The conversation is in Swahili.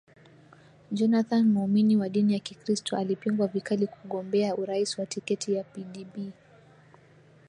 jonathan muumini wa dini ya kikristo alipingwa vikali kugombea urais kwa tiketi ya pdb